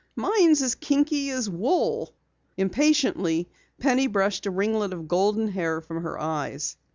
"Mine's as kinky as wool." Impatiently Penny brushed a ringlet of golden hair from her eyes.